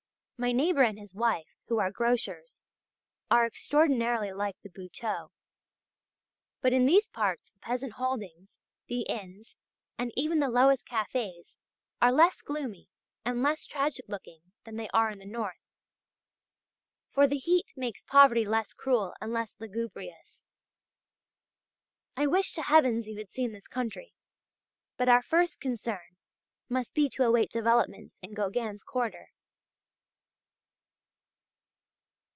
My neighbour and his wife (who are grocers) are extraordinarily like the Buteaux. But in these parts the peasant holdings, the inns, and even the lowest cafés, are less gloomy and less tragic looking than they are in the north; for the heat makes poverty less cruel and less lugubrious. I wish to Heavens you had seen this country! But our first concern must be to await developments in Gauguin's quarter.